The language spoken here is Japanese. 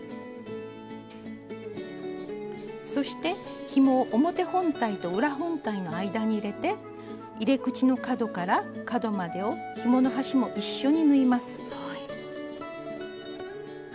そしてひもを表本体と裏本体の間に入れて入れ口の角から角までをひもの端も一緒に縫います。